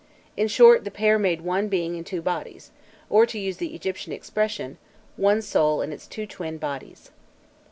In short, the pair made one being in two bodies, or, to use the Egyptian expression, "one soul in its two twin bodies."